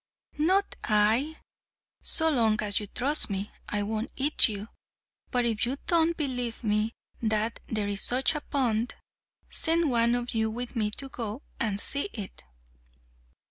"Not I! So long as you trust me, I won't eat you. But if you don't believe me that there is such a pond, send one of you with me to go and see it."